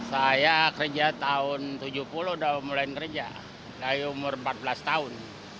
saya kerja tahun tujuh puluh udah mulai kerja dari umur empat belas tahun